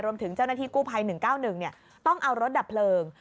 รวมถึงเจ้าหน้าที่กู้ภัย๑๙๑ต้องเอารถดับเพลิง